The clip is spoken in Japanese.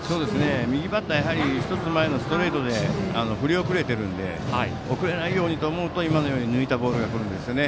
右バッターは１つ前のストレートで振り遅れているので遅れないようにと思うと今のように抜いたボールが来るんですよね。